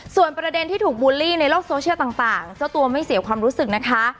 ส่วนประเด็นที่ถูกบูลลี่ในโลกโซเชียลต่างเจ้าตัวไม่เสียความรู้สึกนะคะ